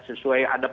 sesuai ada persyaratan